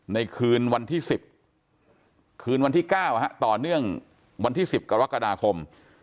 ในคืนวันที่๑๐คืนวันที่๙ต่อเนื่องวันที่๑๐กรกฎาคม